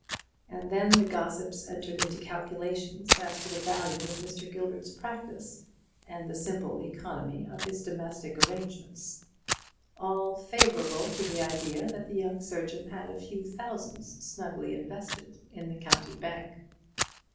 And then the gossips entered into calculations as to the value of Mr. Gilbert's practice, and the simple eeonomy of his domestic arrangements; all favourable to the idea that the young surgeon had a few thousands snugly invested in the county bank.